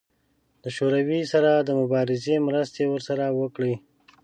د شوروي سره د مبارزې مرستې ورسره وکړي.